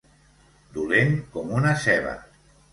Dolent com una ceba.